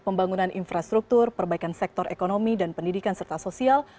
pembangunan infrastruktur perbaikan sektor ekonomi dan pendidikan serta sosial